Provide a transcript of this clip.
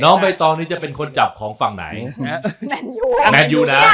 น้องใบตอนนี้จะเป็นคนจับของฝั่งไหน